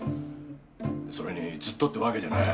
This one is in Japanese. それにずっとってわけじゃねえ。